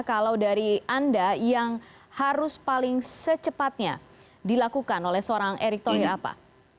kalau dari anda yang harus paling secepatnya dilakukan oleh seorang erick thohir apa